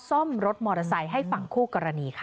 ซ่อมรถมอเตอร์ไซค์ให้ฝั่งคู่กรณีค่ะ